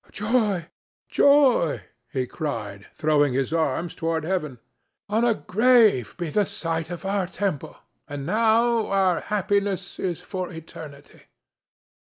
"Joy! joy!" he cried, throwing his arms toward heaven. "On a grave be the site of our temple, and now our happiness is for eternity."